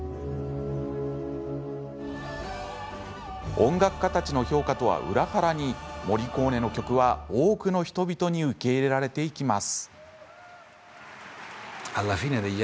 音楽家たちの評価とは裏腹にモリコーネの曲は多くの人々に受け入れられていきます。